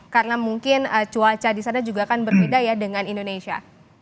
karena mungkin cuaca disana juga kan berbeda ya dengan indonesia